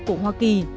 của hoa kỳ